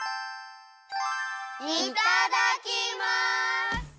いただきます！